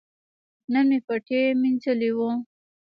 نن مې پټی مینځلي وو.